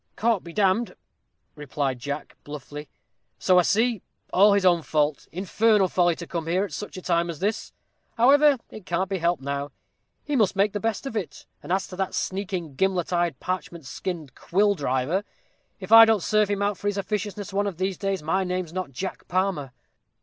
"Caught be d d," replied Jack, bluffly; "so I see; all his own fault; infernal folly to come here, at such a time as this. However, it can't be helped now; he must make the best of it. And as to that sneaking, gimlet eyed, parchment skinned quill driver, if I don't serve him out for his officiousness one of these days, my name's not Jack Palmer."